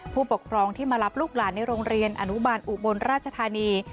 ผู้ปกครองที่มารับลูกหลานในโรงเรียนอนุบาลอุบลราชธานี